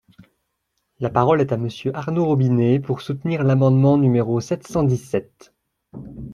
La parole est à Monsieur Arnaud Robinet, pour soutenir l’amendement numéro sept cent dix-sept.